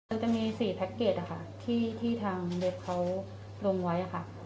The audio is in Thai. มันจะมี๔แพ็คเกจที่ทางเว็บเขาลงไว้